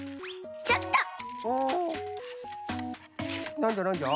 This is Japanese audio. なんじゃなんじゃ？